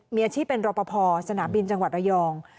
มีอาชีพเป็นรอปภสนามบินจังหวัดระยอง